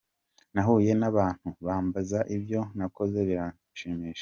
Nahuye n’abantu bambaza ibyo nakoze, biranshimisha.